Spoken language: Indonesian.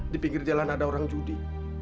di pinggir jalan ada orang judi